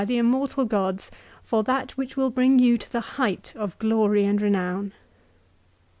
255 the immortal gods, for that which will bring you to the height of glory and renown."